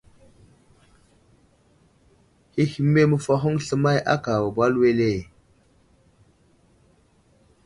Hehme məfahoŋ slemay akà wal wele ?